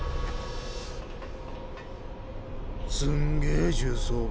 すんげぇ重装備。